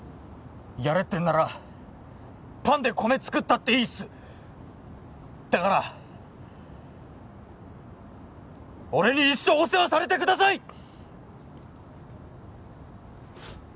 やれってんならパンで米作ったっていいっすだから俺に一生お世話されてください！